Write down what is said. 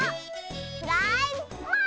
フライパーン！